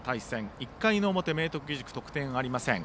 １回の表、明徳義塾得点ありません。